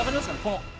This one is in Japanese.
この。